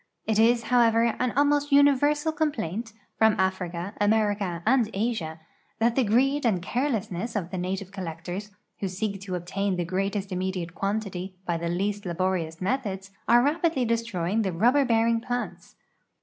Jt is, however, an almost universal com|)laiut, from Africa, America, and Asia, that the greed and carelessness of the native collectors, who seek to obtain the greatest immediate quantity b\' the least laborious methods, are rapidly destroying the rubber bearing plants.